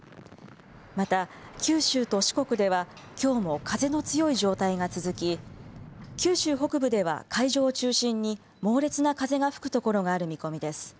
また九州と四国ではきょうも風の強い状態が続き九州北部では海上を中心に猛烈な風が吹くところがある見込みです。